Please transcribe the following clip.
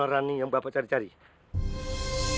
tidak ada yang bisa diambil